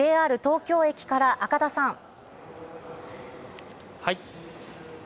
ＪＲ東京駅から赤田さん。